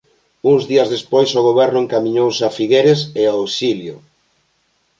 Uns días despois o goberno encamiñouse a Figueres e ao exilio.